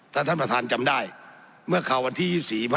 ถ้าท่านประธานจำได้เมื่อข่าววันที่๒๔